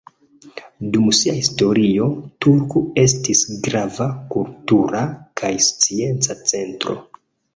Dum sia historio, Turku estis grava kultura kaj scienca centro.